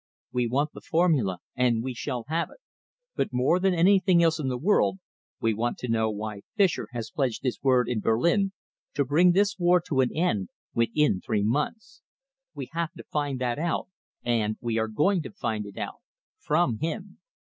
We want the formula and we shall have it, but more than anything else in the world we want to know why Fischer has pledged his word in Berlin to bring this war to an end within three months. We have to find that out, and we are going to find it out from him.